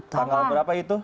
tanggal berapa itu